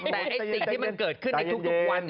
แต่สิ่งที่มันเกิดขึ้นในทุกวัน